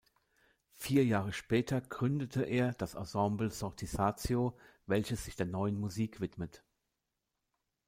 Vier Jahre später gründete er das Ensemble Sortisatio, welches sich der Neuen Musik widmet.